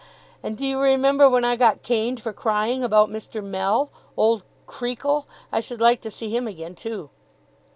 And do you remember when I got caned for crying about Mr. Mell? Old Creakle! I should like to see him again, too!